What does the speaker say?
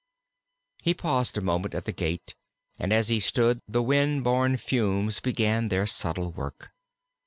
_" He paused a moment at the gate, and as he stood the wind borne fumes began their subtle work.